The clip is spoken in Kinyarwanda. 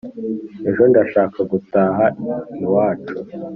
ejo ndashaka gutaha.iwacu